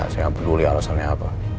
sehingga berduli alasannya apa